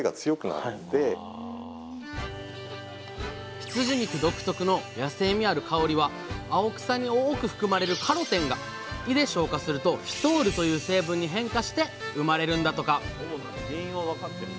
羊肉独特の野性味ある香りは青草に多く含まれるカロテンが胃で消化するとフィトールという成分に変化して生まれるんだとか